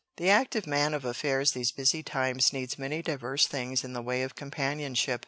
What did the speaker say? The active man of affairs these busy times needs many diverse things in the way of companionship.